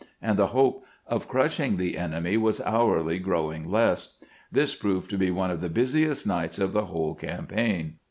and the hope of crushing the enemy was hourly growing less. This proved to be one of the busiest nights of the whole campaign.